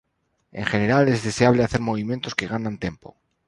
En general, es deseable hacer movimientos que ganan tempo.